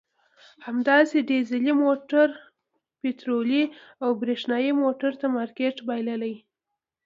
همداسې ډیزلي موټر پټرولي او برېښنایي موټر ته مارکېټ بایللی.